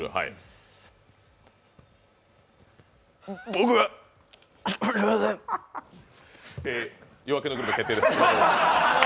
僕は「夜明けのグルメ」決定です。